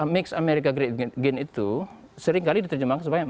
mix america great again itu sering kali diterjemahkan sebagai